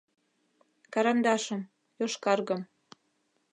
Карандашым, йошкаргым